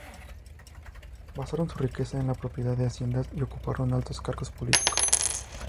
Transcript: Basaron su riqueza en la propiedad de haciendas y ocuparon altos cargos políticos.